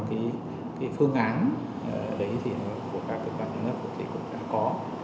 cái phương án đấy thì của các cộng đồng nước thì cũng đã có